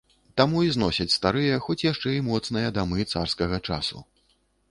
Таму і зносяць старыя, хоць яшчэ і моцныя дамы царскага часу.